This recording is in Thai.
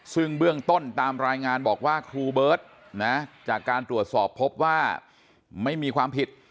ซึ่งเบื้องต้นตามรายงานบอกว่าครูเบิร์ตนะจากการตรวจสอบพบว่าไม่มีความผิด